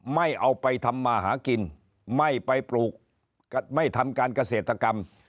ไม่เอาไปทำมาหากินไม่ไปปลูกไม่ทำการเกษตรกรรม